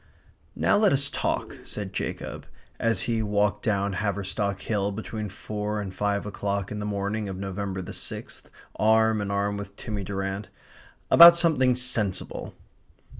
"Now let us talk," said Jacob, as he walked down Haverstock Hill between four and five o'clock in the morning of November the sixth arm in arm with Timmy Durrant, "about something sensible."